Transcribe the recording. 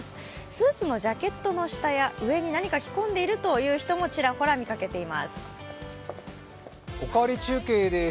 スーツのジャケットや上に何か着こんでいるという人もチラチラ見られます。